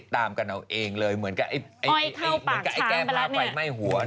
ตลกป้ะ